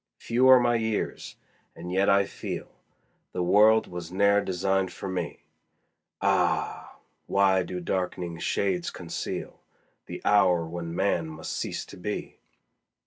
Few are my years, and yet I feel The world was ne'er designed for me: Ah! why do dark'ning shades conceal The hour when man must cease to be?